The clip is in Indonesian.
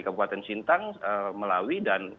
kabupaten sintang melawi dan